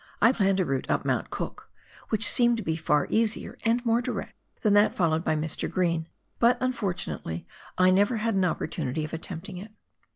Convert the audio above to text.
I planned a route up Mount Cook, whicli seemed to be far easier and more direct than that followed by Mr. Green, but unfortunately I never bad an opportunity of attempting it.